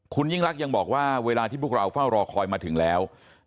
คุณยิ่งรักยังบอกว่าเวลาที่พวกเราเฝ้ารอคอยมาถึงแล้ว